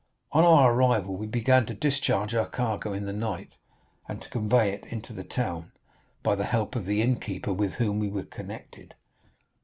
On our arrival we began to discharge our cargo in the night, and to convey it into the town, by the help of the innkeeper with whom we were connected.